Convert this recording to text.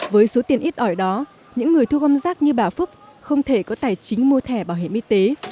với số tiền ít ỏi đó những người thu gom rác như bà phúc không thể có tài chính mua thẻ bảo hiểm y tế